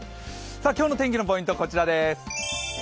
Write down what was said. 今日の天気のポイントはこちらです。